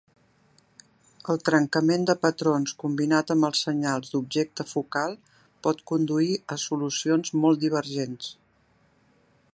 El trencament de patrons, combinat amb els senyals d'objecte focal, pot conduir a solucions molt divergents.